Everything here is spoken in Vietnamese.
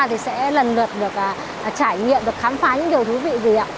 thì sẽ lần lượt được trải nghiệm được khám phá những điều thú vị gì ạ